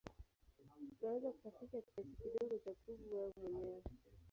Unaweza kusafisha kiasi kidogo cha kuvu wewe mwenyewe.